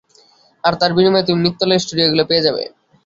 আর তার বিনিময়ে তুমি মিত্তলের স্টুডিওগুলি পেয়ে যাবে।